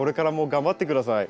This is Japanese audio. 頑張って下さい。